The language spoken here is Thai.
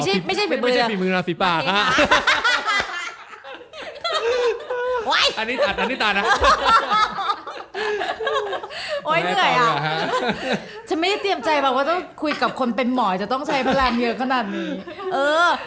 หมอหมอเอาจริงที่โหนไข้ติดหมอเม้เนี่ยคือยังไง